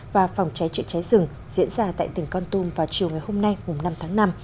và phòng cháy chữa cháy rừng diễn ra tại tỉnh con tum vào chiều ngày hôm nay năm tháng năm